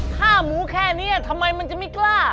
ฆ่าหมูแค่นี้ทำไมมันจะไม่กล้า